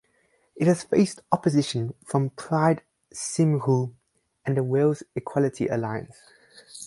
It has faced opposition from Pride Cymru and the Wales Equality Alliance.